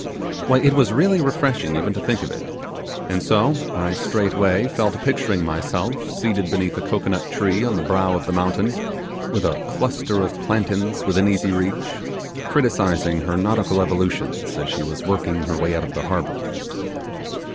Why, it was really refreshing even to think of it; and so I straightway fell to picturing myself seated beneath a cocoanut tree on the brow of the mountain, with a cluster of plantains within easy reach, criticizing her nautical evolutions as she was working her way out of the harbour.